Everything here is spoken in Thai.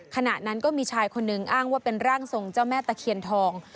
ขณะนั้นก็มีชายคนหนึ่งอ้างว่าเป็นร่างทรงเจ้าแม่ตะเคียนทอง